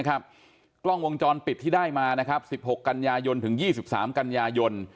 กล้องวงจรปิดที่ได้มา๑๖กรรยายนถึง๒๓กรรยายน